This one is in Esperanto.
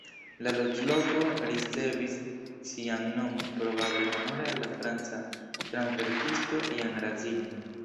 La loĝloko ricevis sian nomon probable honore al la franca dramverkisto Jean Racine.